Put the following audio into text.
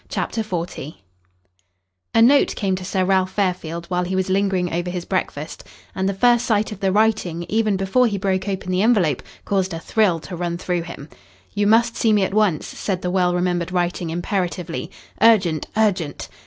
CHAPTER XL A note came to Sir Ralph Fairfield while he was lingering over his breakfast, and the first sight of the writing, even before he broke open the envelope, caused a thrill to run through him. "You must see me at once," said the well remembered writing imperatively. "Urgent, urgent!"